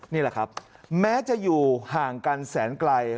นี่แหละครับแม้จะอยู่ห่างกันแสนไกล